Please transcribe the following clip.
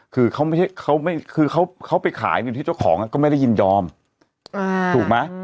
คือเขาไปขายที่เจ้าของก็ไม่ได้ยินยอมถูกไหม